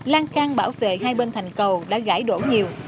lan can bảo vệ hai bên thành cầu đã gãy đổ nhiều